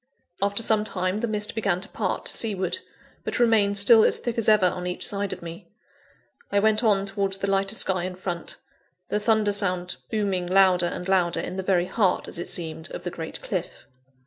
After some time, the mist began to part to seaward, but remained still as thick as ever on each side of me. I went on towards the lighter sky in front the thunder sound booming louder and louder, in the very heart, as it seemed, of the great cliff.